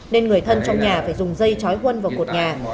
nên người thân trong nhà phải dùng dây chói quân vào cột nhà